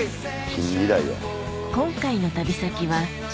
近未来や。